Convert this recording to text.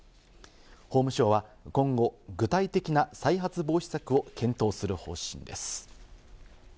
法務省は今後、具体的な再発防止策を検討する方針です。